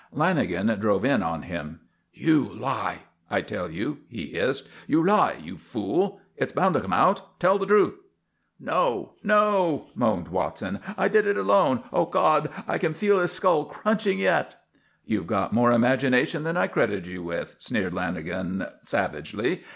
Lanagan drove in on him. "You lie, I tell you," he hissed. "You lie! You fool! It's bound to come out! Tell the truth!" "No, no," moaned Watson. "I did it alone. God! I can feel his skull crunching yet!" "You've got more imagination than I credited you with," sneered Lanagan savagely.